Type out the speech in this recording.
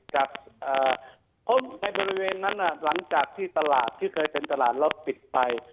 พบในบริเวณนั้นหลังจากที่ตลาดที่เคยเป็นตลาดแล้วปิดไป